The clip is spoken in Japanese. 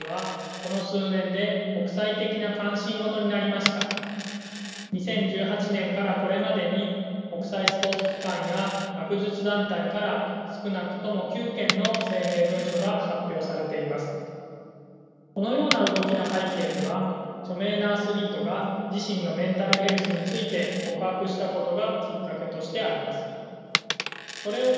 このような動きの背景には著名なアスリートが自身のメンタルヘルスについて告白したことがきっかけとしてあります。